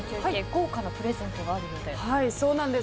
豪華なプレゼントがあるようで。